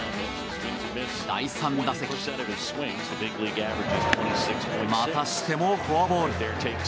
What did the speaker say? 第３打席またしてもフォアボール。